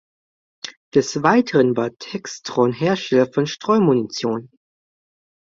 Des Weiteren war Textron Hersteller von Streumunition.